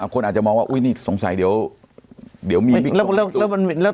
ก็มองว่าอุ้ยนี่สงสัยเดี๋ยวมี